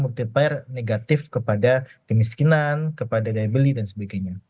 multiplier negatif kepada kemiskinan kepada daya beli dan sebagainya